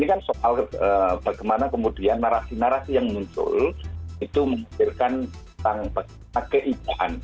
ini kan soal bagaimana kemudian narasi narasi yang muncul itu menghadirkan tentang bagaimana keijaan